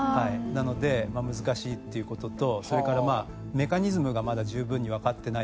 なので難しいっていう事とそれからメカニズムがまだ十分にわかってない部分がある。